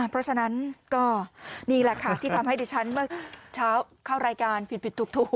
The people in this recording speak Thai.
เพราะฉะนั้นก็นี่แหละค่ะที่ทำให้ดิฉันเมื่อเช้าเข้ารายการผิดถูกทุก